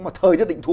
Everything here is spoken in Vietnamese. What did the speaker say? mà thơ nhất định thắng